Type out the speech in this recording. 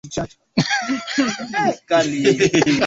wa kuonaUchafuzi huu utatokana na ulaji wa bidhaa ambazo zina mawakala